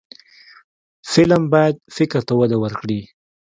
فلم باید فکر ته وده ورکړي